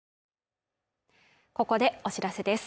ここでお知らせです。